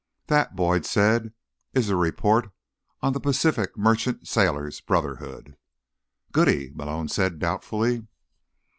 "That," Boyd said, "is a report on the Pacific Merchant Sailors' Brotherhood." "Goody," Malone said doubtfully.